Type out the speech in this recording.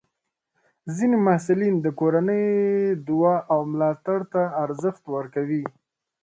ځینې محصلین د کورنۍ دعا او ملاتړ ته ارزښت ورکوي.